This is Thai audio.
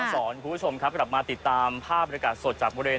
สอนคุณผู้ชมครับกลับมาติดตามภาพบริการสดจากบริเวณ